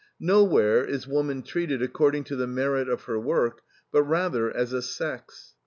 Nowhere is woman treated according to the merit of her work, but rather as a sex.